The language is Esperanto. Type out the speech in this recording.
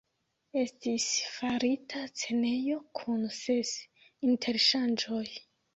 Estis farita scenejo kun ses interŝanĝoj.